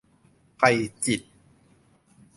ไพจิตร